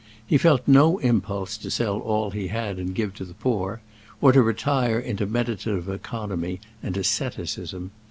He felt no impulse to sell all he had and give to the poor, or to retire into meditative economy and asceticism.